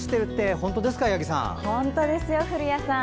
本当ですよ古谷さん。